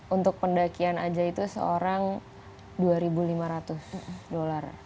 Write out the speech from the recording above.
untuk pendakian aja itu seorang dua lima ratus dolar